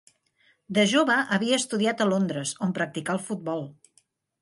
De jove havia estudiat a Londres, on practicà el futbol.